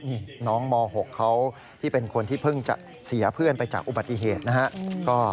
นี่น้องม๖เขาที่เป็นคนที่เพิ่งจะเสียเพื่อนไปจากอุบัติเหตุนะครับ